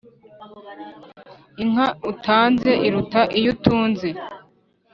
inka utanze iruta iyo utunze